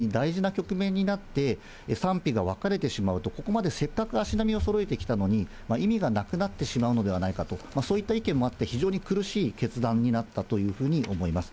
それなのにこの最後の大事な局面になって、賛否が分かれてしまうと、ここまでせっかく足並みをそろえてきたのに、意味がなくなってしまうのではないかと、そういった意見もあって、非常に苦しい決断になったというふうに思います。